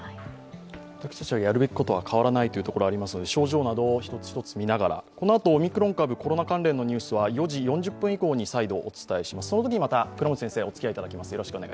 私たちがやるべきことは変わらないということがありますので症状など一つ一つ見ながらこのあとオミクロン株、コロナ関連のニュースは４時４０分以降に再度お伝えします。